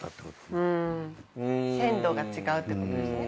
鮮度が違うってことですね。